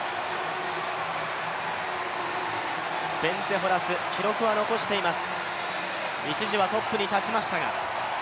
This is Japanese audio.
ベンツェ・ホラス、記録は残しています。